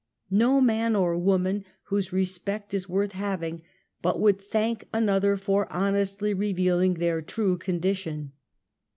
'No man or woman whose respect is worth having, but would thank another for hon estly revealing their true condition.